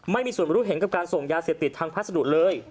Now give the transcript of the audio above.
ไม่มีส่วนรู้เห็นกับการส่งยาเสพติดทางพัสดุเลย